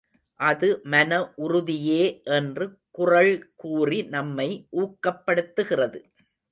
அது மனஉறுதியே என்று குறள் கூறி நம்மை ஊக்கப்படுத்துகிறது.